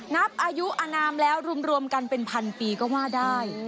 นับอายุอนามแล้วรวมกันเป็นพันปีก็ว่าได้